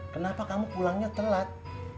kenapa kamu pulangnya telat